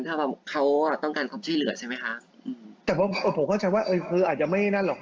ถ้าว่าเขาอ่ะต้องการความช่วยเหลือใช่ไหมคะแต่ผมเข้าใจว่าเออคืออาจจะไม่นั่นหรอก